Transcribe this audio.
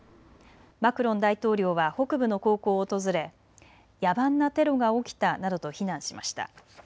マクロン大統領は北部の高校を訪れ野蛮なテロが起きたなどと非難しました。